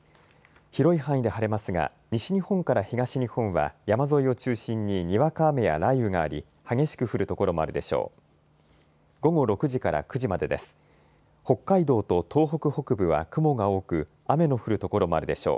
広い範囲で晴れますが西日本から東日本は山沿いを中心ににわか雨や雷雨があり激しく降る所もあるでしょう。